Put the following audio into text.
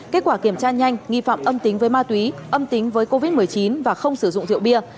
kết quả kiểm tra nhanh nghi phạm âm tính với ma túy âm tính với covid một mươi chín và không sử dụng rượu bia